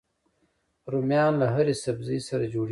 رومیان له هرې سبزي سره جوړيږي